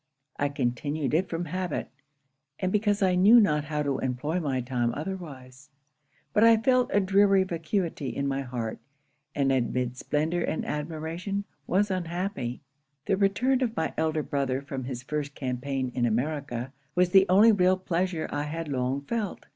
I continued it from habit, and because I knew not how to employ my time otherwise; but I felt a dreary vacuity in my heart; and amid splendor and admiration was unhappy. 'The return of my elder brother from his first campaign in America, was the only real pleasure I had long felt.